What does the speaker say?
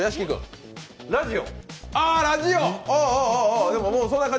ラジオ？